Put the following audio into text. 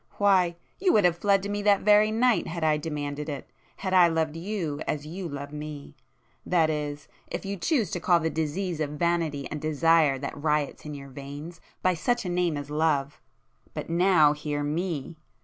—why, you would have fled to me that very night, had I demanded it,—had I loved you as you love me,—that is, if you choose to call the disease of vanity and desire that riots in your veins, by such a name as love! But now hear me!"